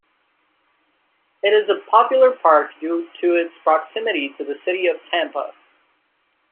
It is a popular park due to its proximity to the city of Tampa.